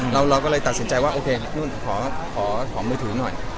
เราก็เลยตัดสินใจหาเมือถือหน่อย